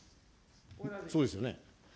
そうですよね。